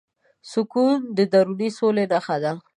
سکون د دروني سولې نښه ده.